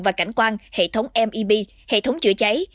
và cảnh quan hệ thống meb hệ thống chữa cháy